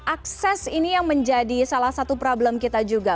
akses ini yang menjadi salah satu problem kita juga